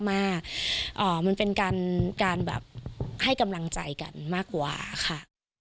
มันเป็นการแบบให้กำลังใจกันมากกว่าค่ะ